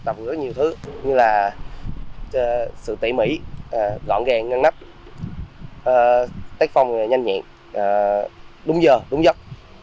tập ngữ nhiều thứ như là sự tỉ mỉ gọn gàng ngăn nắp tác phong nhanh nhẹn đúng giờ đúng giấc